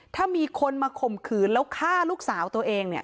ถ้ามีคนมาข่มขืนแล้วฆ่าลูกสาวตัวเองเนี่ย